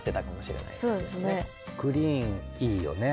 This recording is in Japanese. グリーンいいよね。